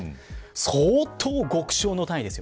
相当、極小の単位ですよ。